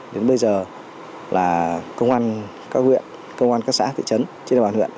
đến bây giờ là công an các huyện công an các xã thị trấn trên địa bàn huyện